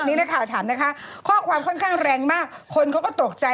นี่นักข่าวถามนะคะข้อความค่อนข้างแรงมากคนเขาก็ตกใจ